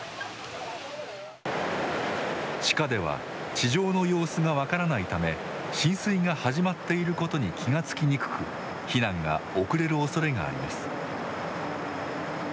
地下では地上の様子が分からないため浸水が始まっていることに気が付きにくく避難が遅れるおそれがあります。